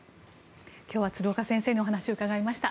今日は鶴岡先生にお話を伺いました。